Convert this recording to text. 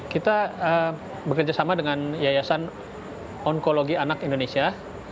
kita bekerja sama dengan yayasan onkologi anak indonesia